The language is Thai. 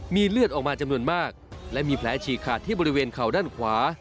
มีเลือดออกมาจำนวนมากและมีแผลฉีกขาดที่บริเวณเข่าด้านขวา